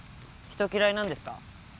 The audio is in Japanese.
人嫌いなんですか？